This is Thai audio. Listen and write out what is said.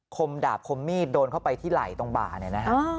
คมดาบคมมีดโดนเข้าไปที่ไหล่ตรงบ่าเนี่ยนะฮะ